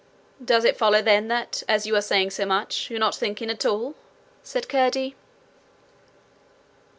'Does it follow then that, as you are saying so much, you're not thinking at all?' said Curdie.